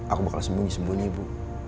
aku bakal sembunyi sembunyi ibu